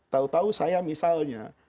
tahu tahu saya misalnya